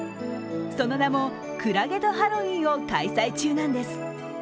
その名もクラゲとハロウィンを開催中なんです。